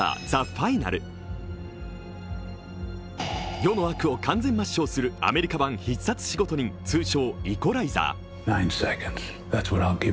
世の悪を完全抹消するアメリカ版「必殺仕事人」、「イコライザー」。